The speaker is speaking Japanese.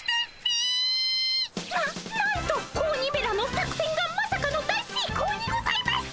ななんと子鬼めらの作戦がまさかの大せいこうにございます！